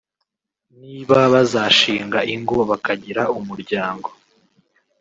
niba bazashinga ingo bakagira umuryango